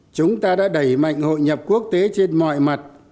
chúng ta đã đẩy mạnh hội nhập quốc tế trên mọi mặt